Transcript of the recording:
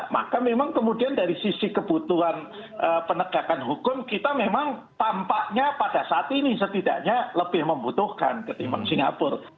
maka memang kemudian dari sisi kebutuhan penegakan hukum kita memang tampaknya pada saat ini setidaknya lebih membutuhkan ketimbang singapura